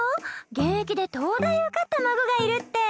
現役で東大受かった孫がいるって。